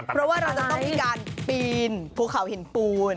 เพราะว่าเราจะต้องมีการปีนภูเขาหินปูน